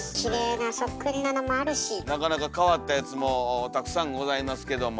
なかなか変わったやつもたくさんございますけども。